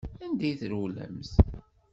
Anda i trewlemt?